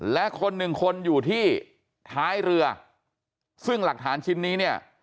และคนหนึ่งคนอยู่ที่ท้ายเรือซึ่งหลักฐานชิ้นนี้เนี่ย